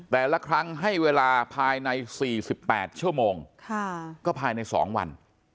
แต่ละครั้งให้เวลาภายในสี่สิบแปดชั่วโมงค่ะก็ภายในสองวัน